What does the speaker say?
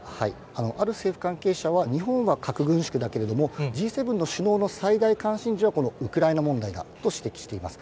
ある政府関係者は、日本は核軍縮だけれども、Ｇ７の首脳の最大関心事は、このウクライナ問題だと指摘しています。